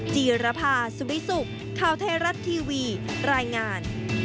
จีรภาสุวิสุขข่าวไทยรัฐทีวีรายงาน